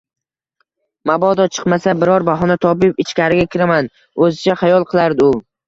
Mabodo chiqmasa, biror bahona topib ichkariga kiraman o`zicha xayol qilardi u